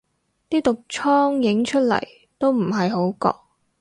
啲毒瘡影出嚟都唔係好覺